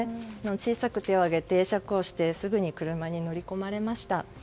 小さく手を挙げて、会釈をしてすぐに車に乗り込まれました。